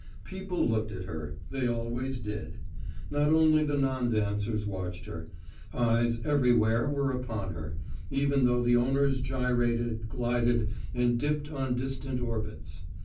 People looked at her; they always did. Not only the non dancers watched her; eyes everywhere were upon her, even though the owners gyrated, glided and dipped on distant orbits.